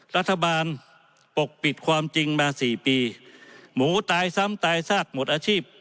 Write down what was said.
รัฐบาลปกปิดความจริงมาสี่ปีหมูตายซ้ำตายซากหมดอาชีพ